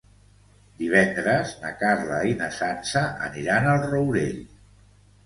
Divendres na Carla i na Sança aniran al Rourell.